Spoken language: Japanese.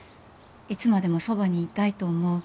「いつまでもそばにいたいと思う」